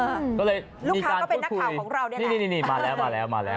ก็เลยลูกค้าก็เป็นนักข่าวของเราเนี่ยนะนี่นี่นี่มาแล้วมาแล้วมาแล้ว